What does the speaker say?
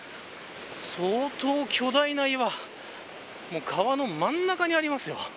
相当巨大な岩川の真ん中にありますよ。